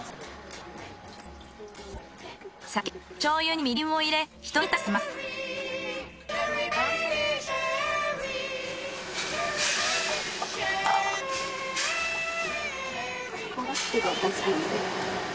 酒醤油にみりんを入れひと煮立ちさせます。